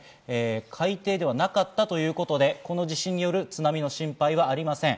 海底ではなかったということで、この地震による津波の心配はありません。